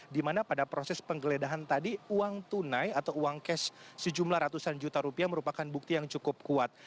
di mana pada proses penggeledahan tadi uang tunai atau uang cash sejumlah ratusan juta rupiah merupakan bukti yang cukup kuat